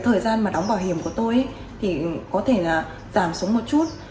thời gian đóng bảo hiểm của tôi có thể giảm xuống một chút